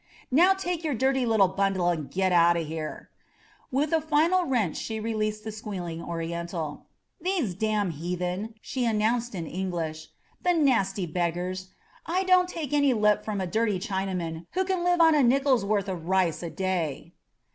Now take your dirty little bundle and get out of here !" With a final wrench she released the squealing Oriental. "These damn heathen," she announced in English, "the nasty beggars ! I don't take any lip from a dirty Chinaman who can live on a nickel's worth of rice a day